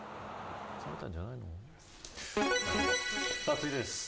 続いてです。